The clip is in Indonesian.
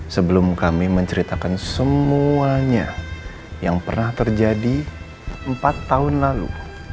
sebelum kami menceritakan semuanya yang pernah terjadi empat tahun lalu